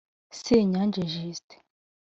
Senyange Justin